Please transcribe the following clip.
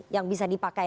yang bisa dipakai